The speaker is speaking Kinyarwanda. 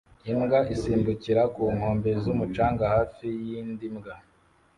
Imbwa isimbukira ku nkombe z'umucanga hafi y'indi mbwa